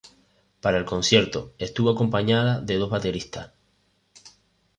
Para el concierto, estuvo acompañada de dos bateristas.